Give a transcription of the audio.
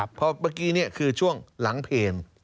เพราะเมื่อกี้นี่คือช่วงหลังเพลง